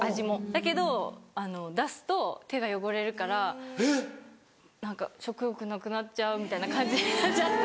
だけど出すと「手が汚れるから何か食欲なくなっちゃう」みたいな感じになっちゃって。